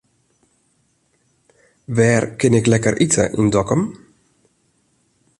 Wêr kin ik lekker ite yn Dokkum?